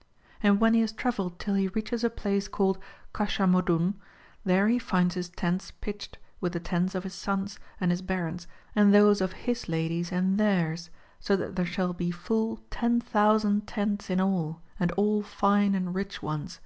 ^ And when he has travelled till he reaches a place called Caciiar Modun,'^ there he finds his tents pitched, with the tents of his Sons, and his Barons, and those of his Ladies and theirs, so that there shall be full 10,000 tents in all, and all fine and rich ones.